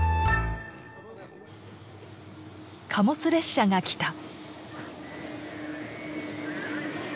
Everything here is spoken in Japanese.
貨物列車が来た。